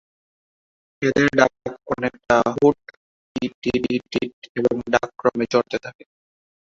এদের ডাক অনেকটা "হুইট-টি-টি-টি-টিট" এবং ডাক ক্রমে চড়তে থাকে।